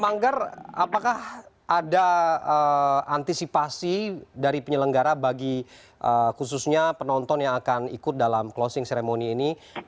manggar apakah ada antisipasi dari penyelenggara bagi khususnya penonton yang akan ikut dalam closing ceremony ini